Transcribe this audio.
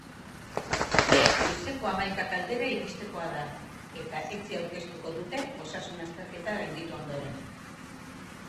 Goizeko hamaikak aldera iristekoa da eta etzi aurkeztuko dute osasun azterketa gainditu ondoren.